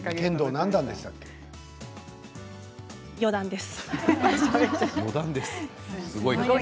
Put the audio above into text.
四段です。